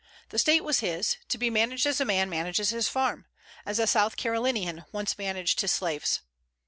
The state was his, to be managed as a man manages his farm, as a South Carolinian once managed his slaves.